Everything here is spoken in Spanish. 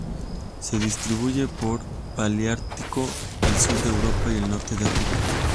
Se distribuye por el paleártico: el sur de Europa y el norte de África.